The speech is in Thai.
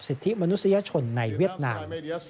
สิทธิมนุษยชนในเวียดนาม